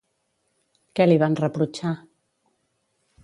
Què li van reprotxar?